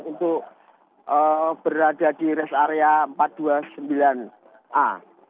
untuk berada di rest area empat ratus dua puluh sembilan a